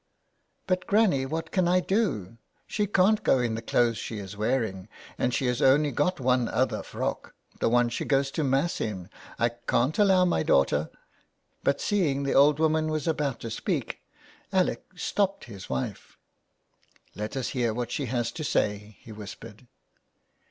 " But, Granny, what can I do ? She can^t go in the clothes she is wearing, and she has only got one other frock, the one she goes to Mass in. I can't allow my daughter " But seeing the old woman was about to speak Alec stopped his wife. " Let us hear what she has to say," he whispered.